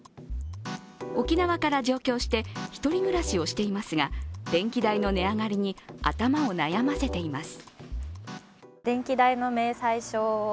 沖縄から上京して１人暮らしをしていますが、電気代の値上がりに頭を悩ませています。